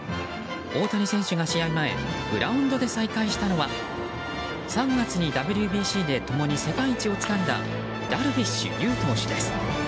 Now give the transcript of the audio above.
大谷選手が試合前グラウンドで再会したのは３月にＷＢＣで共に世界一をつかんだダルビッシュ有投手です。